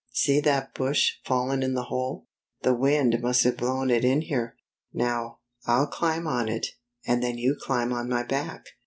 " See that bush fallen in the hole. The wind must have blown it in here. Now, I'll climb on it, and then you climb on my back.